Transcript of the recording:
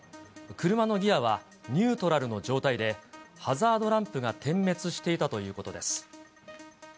車のギアはニュートラルの状態で、ハザードランプが点滅していたということです。